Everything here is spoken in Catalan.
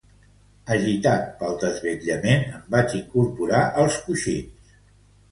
Agitat pel desvetlament, em vaig incorporar als coixins.